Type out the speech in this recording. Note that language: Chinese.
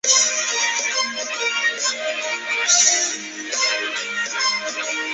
旧型号的准星没有护翼。